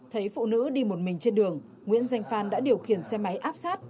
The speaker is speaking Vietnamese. thấy phụ nữ đi một mình trên đường nguyễn danh phan đã điều khiển xe máy áp sát